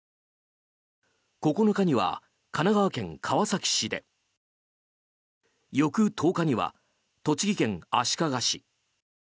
９日には神奈川県川崎市で翌１０日には栃木県足利市。